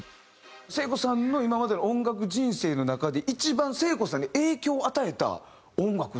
聖子さんの今までの音楽人生の中で一番聖子さんに影響を与えた音楽ってなんなんですか？